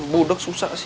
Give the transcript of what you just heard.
budok susah sih